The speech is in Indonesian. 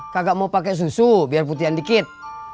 kagak mau pake susu biar putihkan dikit